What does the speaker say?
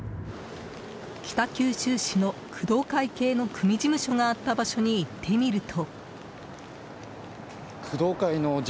北九州市の工藤会系の組事務所があった場所に行ってみると。